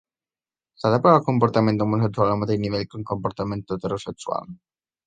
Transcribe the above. "S'ha de posar el comportament homosexual al mateix nivell que el comportament heterosexual?"